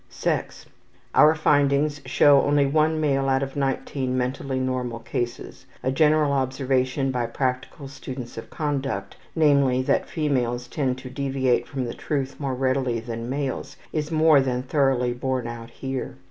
Sex. Our findings show only 1 male out of 19 mentally normal cases. A general observation by practical students of conduct, namely, that females tend to deviate from the truth more readily than males, is more than thoroughly borne out here.